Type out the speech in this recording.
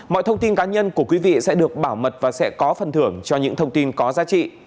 mọi thông tin cá nhân của quý vị sẽ được bảo mật và sẽ có phần thưởng cho những thông tin có giá trị